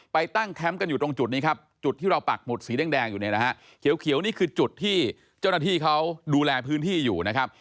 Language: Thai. ตั้งแคมป์กันอยู่ตรงจุดนี้ครับจุดที่เราปักหุดสีแดงอยู่เนี่ยนะฮะเขียวนี่คือจุดที่เจ้าหน้าที่เขาดูแลพื้นที่อยู่นะครับ